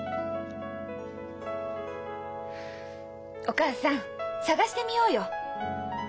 お母さん探してみようよ。